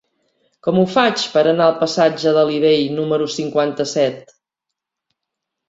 Com ho faig per anar al passatge d'Alí Bei número cinquanta-set?